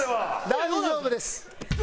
大丈夫です！